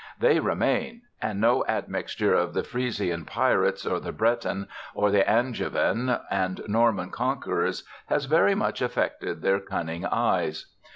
They remain; and no admixture of the Frisian pirates, or the Breton, or the Angevin and Norman conquerors, has very much affected their cunning eyes.